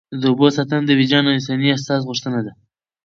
د اوبو ساتنه د وجدان او انساني احساس غوښتنه ده.